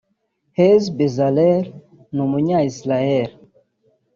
Hezi Bezalel ni Umunya-Israel